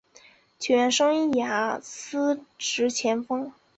球员生涯司职前锋。